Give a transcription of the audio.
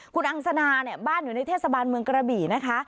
คุณอังสนาเนี่ยบ้านอยู่ในเทศบาลเมืองกระบี่นะคะ